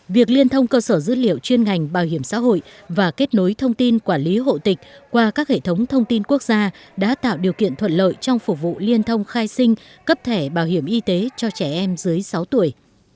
việc liên thông cơ sở dữ liệu chuyên ngành bảo hiểm xã hội và kết nối thông tin quản lý hộ tịch qua các hệ thống thông tin quốc gia đã tạo điều kiện thuận lợi trong phục vụ liên thông khai sinh cấp thẻ bảo hiểm y tế cho trẻ em dưới sáu tuổi